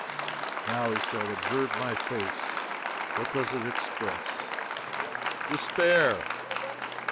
"Now," he said, "observe my face what does it express?" "Despair!"